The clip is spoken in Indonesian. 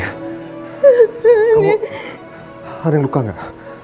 hmm ada yang luka gak